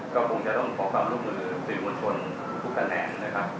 ก็คงจะต้องขอความรู้มือสุริวงศ์คนทุกคะแนน